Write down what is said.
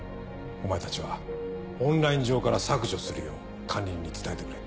お前たちはオンライン上から削除するよう管理人に伝えてくれ。